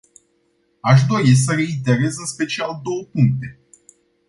Aș dori să reiterez în special două puncte.